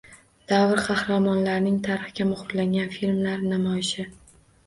Davr qahramonlarini tarixga muhrlagan filmlar namoyishi